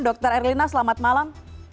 dr erlina selamat malam